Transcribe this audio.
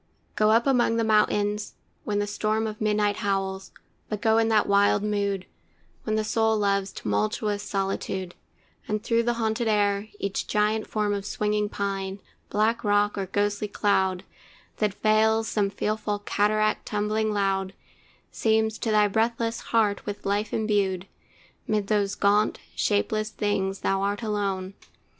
Go up among the mountains, when the storm Of midnight howls, but go in that wild mood, When the soul loves tumultuous solitude, And through the haunted air, each giant form Of swinging pine, black rock, or ghostly cloud, That veils some fearful cataract tumbling loud, Seems to thy breathless heart with life embued. 'Mid those gaunt, shapeless things thou art alone!